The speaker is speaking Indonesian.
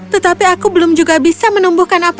tetapi aku belum juga bisa menumbuhkan apa